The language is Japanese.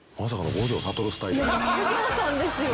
五条さんですよね。